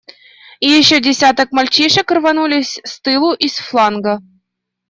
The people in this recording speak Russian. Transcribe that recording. И еще десяток мальчишек рванулись с тылу и с фланга.